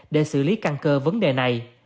để xử lý căn cơ vấn đề này